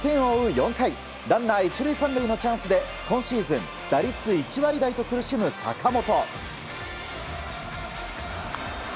４回ランナー１塁３塁のチャンスで今シーズン打率１割台と苦しむ坂本。